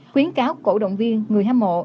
khuyến cáo cổ động viên người hâm mộ